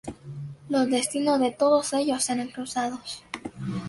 Los destinos de todos ellos serán cruzados.